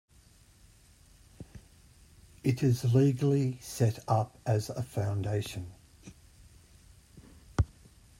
It is legally set up as a foundation.